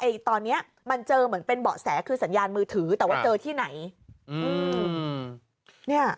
ตอนนี้มันเจอเหมือนเป็นเบาะแสคือสัญญาณมือถือแต่ว่าเจอที่ไหนอืมเนี่ย